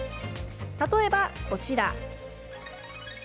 例えば、こちら。